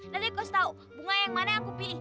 nanti cost tau bunga yang mana yang aku pilih